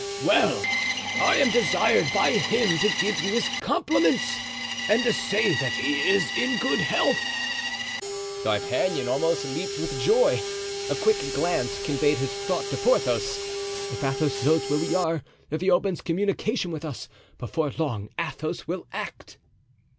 "Well, I am desired by him to give you his compliments and to say that he is in good health." D'Artagnan almost leaped with joy. A quick glance conveyed his thought to Porthos: "If Athos knows where we are, if he opens communication with us, before long Athos will act."